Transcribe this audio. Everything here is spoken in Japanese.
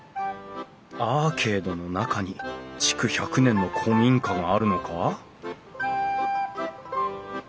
アーケードの中に築１００年の古民家があるのか？